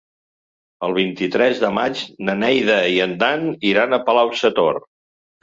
El vint-i-tres de maig na Neida i en Dan iran a Palau-sator.